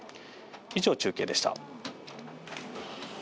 以上、中継でした。